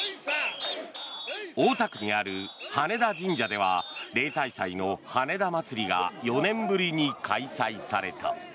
大田区にある羽田神社では例大祭の羽田まつりが４年ぶりに開催された。